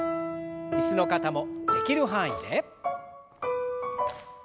椅子の方もできる範囲で。